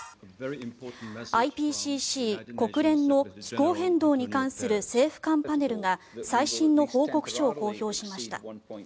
ＩＰＣＣ・国連の気候変動に関する政府間パネルが最新の報告書を公表しました。